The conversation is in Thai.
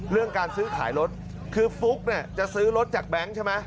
เรื่องการซื้อขายรถคือฟุ๊กเนี่ยจะซื้อรถจากแบงค์ใช่ไหม